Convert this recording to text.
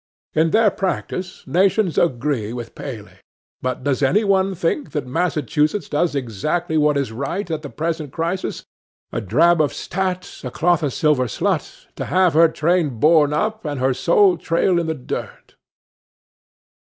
In their practice, nations agree with Paley; but does anyone think that Massachusetts does exactly what is right at the present crisis? "A drab of state, a cloth o' silver slut, To have her train borne up, and her soul trail in the dirt."